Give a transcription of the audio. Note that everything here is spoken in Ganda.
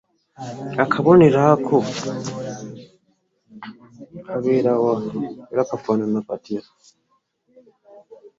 Akabonero ako kabeera wa, era kafaanana katya?